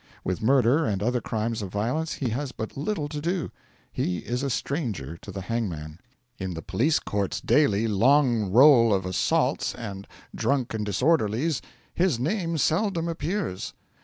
With murder and other crimes of violence he has but little to do: he is a stranger to the hangman. In the police court's daily long roll of 'assaults' and 'drunk and disorderlies' his name seldom appears.